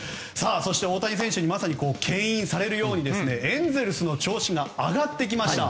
そして大谷選手に牽引されるようにエンゼルスの調子が上がってきました。